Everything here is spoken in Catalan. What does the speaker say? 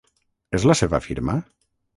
És la seva firma?